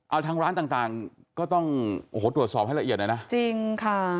เอาทางร้านต่างต่างก็ต้องโอ้โหตรวจสอบให้ละเอียดเลยนะจริงค่ะ